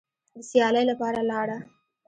د سیالۍ لپاره لاړه